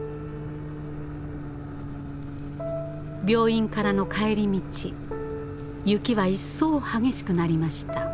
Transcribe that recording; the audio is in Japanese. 病院からの帰り道雪は一層激しくなりました。